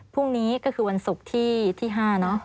พรุ่งนี้ก็คือวันศุกร์ที่๕เนอะ